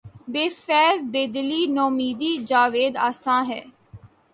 بہ فیض بیدلی نومیدیٴ جاوید آساں ہے